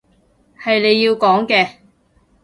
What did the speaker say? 係你要講嘅